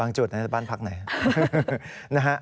บางจุดบ้านพักไหน